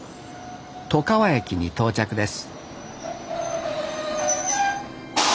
外川駅に到着です